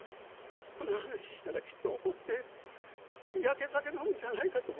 この話したらきっと怒ってやけ酒飲むんじゃないかと思って。